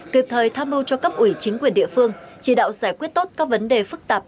kịp thời tham mưu cho cấp ủy chính quyền địa phương chỉ đạo giải quyết tốt các vấn đề phức tạp